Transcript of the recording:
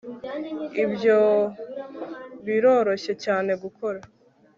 ibyo biroroshye cyane gukora